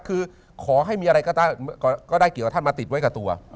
คือขอให้มีอะไรก็ได้เกี่ยวกับท่านมาติดไว้กับตัว